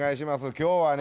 今日はね